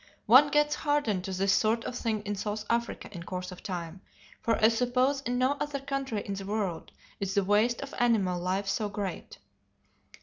One gets hardened to this sort of thing in South Africa in course of time, for I suppose in no other country in the world is the waste of animal life so great.